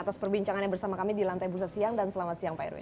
atas perbincangannya bersama kami di lantai bursa siang dan selamat siang pak erwin